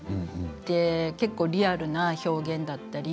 それでリアルな表現だったり